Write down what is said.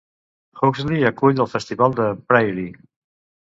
Huxley acull el Festival de Prairie.